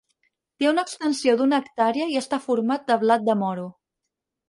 Té una extensió d'una hectàrea i està format de blat de moro.